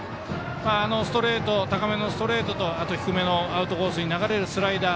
あの高めのストレートと低めのアウトコースに流れるスライダー。